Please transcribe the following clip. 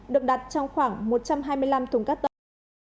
được đặt trong khoảng một trăm hai mươi năm thùng cắt tóc